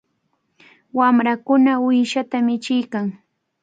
Wamrakuna uyshata michiykan.